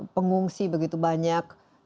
pengungsi begitu banyak